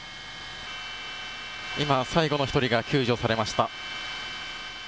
今、最後の１人が救助されました。